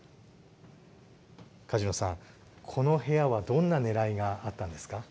梶野さん、この部屋はどんなねらいがあったんですか？